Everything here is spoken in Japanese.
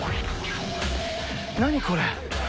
何これ？